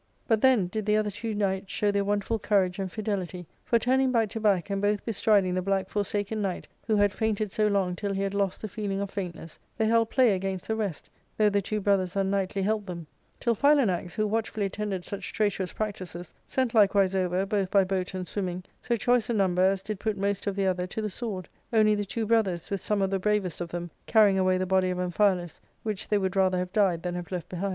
But then • did the other two knights show their wonderful courage and fidelity ; for, turning back to back, and both bestriding the black Forsaken Knight, who had fainted so long till he had lost the feeling of faintness, they held* play against the rest, though the two brothers unknightly helped them ; till Philanax, who watchfully attended such traitorous practices, sent likewise over, both by boat and swimming, so choice a number as did put most of the other to the sword ; only the two brothers, with some of the bravest of them, carrying away the body of Amphialus, which they would rather have died than have left behind.